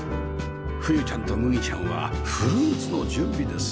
風結ちゃんと麦ちゃんはフルーツの準備です